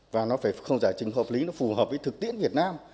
và nó phải không giải trình hợp lý nó phù hợp với thực tiễn việt nam